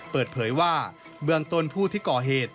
เปิดเผยว่าเบื้องต้นผู้ที่ก่อเหตุ